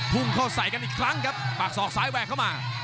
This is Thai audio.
พุ่งเข้าใส่กันอีกครั้งครับปากศอกซ้ายแวกเข้ามา